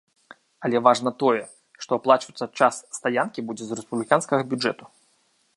Але важна тое, што аплачвацца час стаянкі будзе з рэспубліканскага бюджэту.